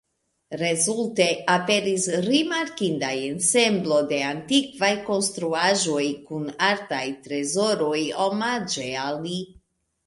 Rezulte, aperis rimarkinda ensemblo de antikvaj konstruaĵoj kun artaj trezoroj omaĝe al li.